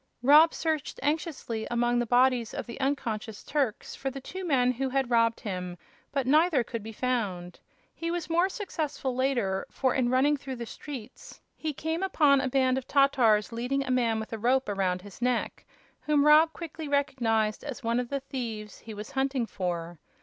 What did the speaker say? Rob searched anxiously among the bodies of the unconscious Turks for the two men who had robbed him, but neither could be found. He was more successful later, for in running through the streets he came upon a band of Tatars leading a man with a rope around his neck, whom Rob quickly recognized as one of the thieves he was hunting for.